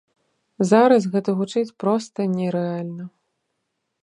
Зараз гэта гучыць проста нерэальна.